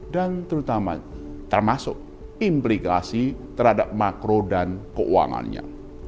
dan terutama termasuk implikasi terhadap makro dan keuangannya